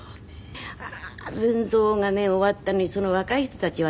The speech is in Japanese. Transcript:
ああー戦争がね終わったのにその若い人たちはね